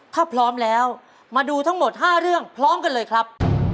ถ้าพร้อมแล้วมาดูทั้งหมด๕เรื่องพร้อมกันเลยครับ